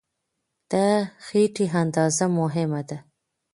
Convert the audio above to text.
د خېټې اندازه مهمه ده.